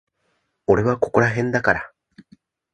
俺はここらへんだから。